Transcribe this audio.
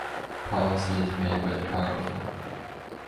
Policy is made by the powerful.